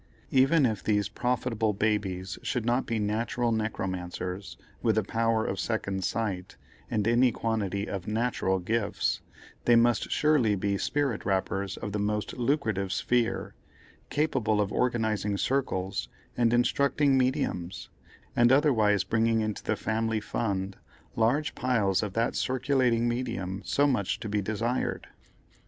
Even if these profitable babies should not be natural necromancers, with the power of second sight, and any quantity of "natural gifts," they must surely be spirit rappers of the most lucrative "sphere," capable of organizing "circles," and instructing "mediums," and otherwise bringing into the family fund large piles of that circulating medium so much to be desired.